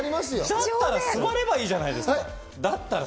だったら座ればいいじゃないですか。